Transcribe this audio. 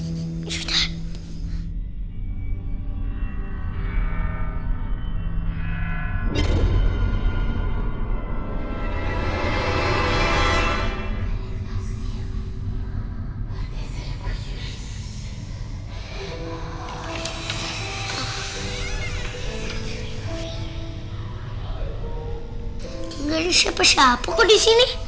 tidak ada siapa siapa kok di sini